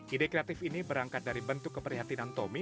ide kreatif ini berangkat dari bentuk keprihatinan tommy